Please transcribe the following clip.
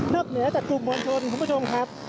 เหนือจากกลุ่มมวลชนคุณผู้ชมครับ